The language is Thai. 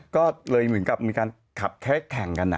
ก็เลยเหมือนกับมีการขับเค้กแข่งกัน